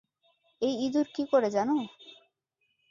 এই ইঁদুর কী করে জানো?